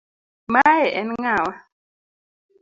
Mae en ng'awa .